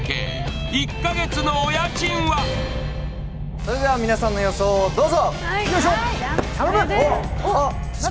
それでは皆さんの予想をどうぞ。